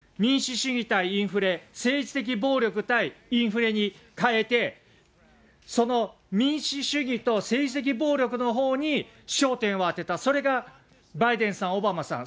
それを一気に、その事件から一気に、民主主義対インフレ、政治的暴力対インフレに変えて、その民主主義と政治的暴力のほうに焦点を当てた、それがバイデンさん、オバマさん。